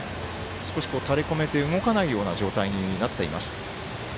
少し垂れ込めて動かないような状態になっています。